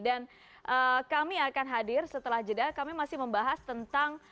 dan kami akan hadir setelah jeda kami masih membahas tentang